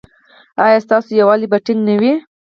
ایا ستاسو یووالي به ټینګ وي؟